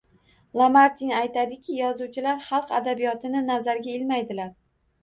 Lamartin aytadiki, yozuvchilar xalq adabiyotini nazarga ilmaydilar